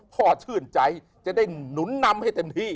ชื่นใจจะได้หนุนนำให้เต็มที่